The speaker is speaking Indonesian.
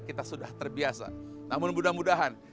kita sudah terbiasa namun mudah mudahan